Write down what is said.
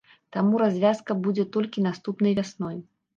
Таму развязка будзе толькі наступнай вясной.